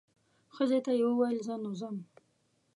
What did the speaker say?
ښځې ته یې وویل زه نو ځم.